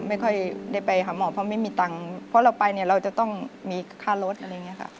ไม่ค่อยได้ไปหาหมอเพราะไม่มีตังค์เพราะเราไปเนี่ยเราจะต้องมีค่ารถอะไรอย่างนี้ค่ะ